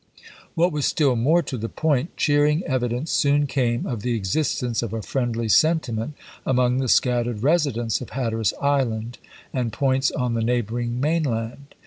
What was stiU more to the point, cheering evidence soon came of the existence of a friendly sentiment among the scattered residents of Hatteras Island and points on the neighboring mainland.